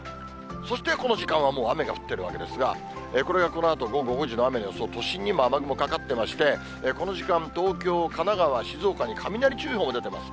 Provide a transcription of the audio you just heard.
そしてこの時間もう雨が降っているわけですが、これがこのあと午後５時の雨を予想、都心にも雨雲かかってまして、この時間、東京、静岡に雷注意報も出ています。